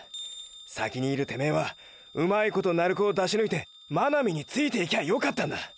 先にいるてめェはうまいこと鳴子をだしぬいて真波についていきゃよかったんだ！